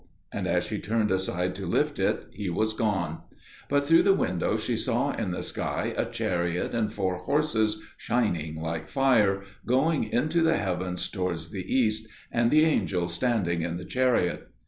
And as she turned aside to lift it, he was gone. But through the window she saw in the sky a chariot and four horses shining like fire, going into the heavens towards the east, and the angel standing in the chariot.